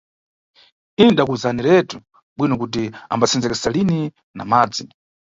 Ine ndidakuwuzaniretu bwino kuti ambasenzekesa lini na madzi.